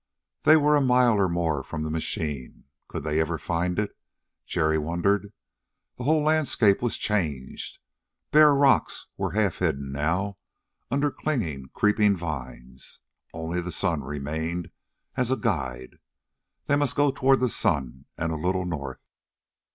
They were a mile and more from the machine. Could they ever find it, Jerry wondered. The whole landscape was changed; bare rocks were half hidden now under clinging, creeping vines. Only the sun remained as a guide. They must go toward the sun and a little north.